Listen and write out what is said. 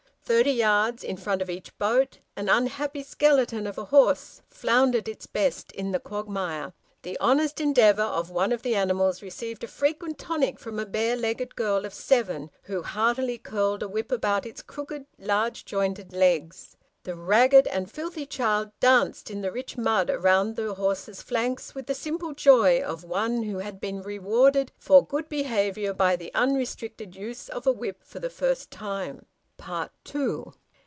Thirty yards in front of each boat an unhappy skeleton of a horse floundered its best in the quagmire. The honest endeavour of one of the animals received a frequent tonic from a bare legged girl of seven who heartily curled a whip about its crooked large jointed legs. The ragged and filthy child danced in the rich mud round the horse's flanks with the simple joy of one who had been rewarded for good behaviour by the unrestricted use of a whip for the first time. TWO.